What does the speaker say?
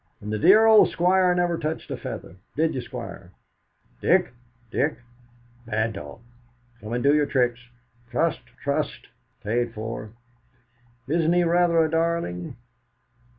"And the dear old Squire never touched a feather! Did you, Squire?" "Dick Dick! Bad dog! come and do your tricks. Trust trust! Paid for! Isn't he rather a darling?"